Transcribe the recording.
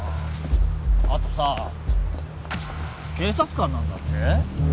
あとさ警察官なんだって？